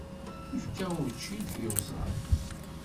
Yefka učči i tyuẓaḍ.